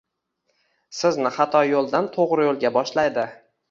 Sizni xato yo’ldan to’g’ri yo’lga boshlaydi.